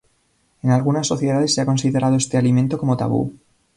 En algunas sociedades se ha considerado este alimento como tabú.